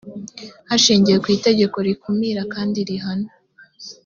hashingiwe ku itegeko rikumira kandi rihana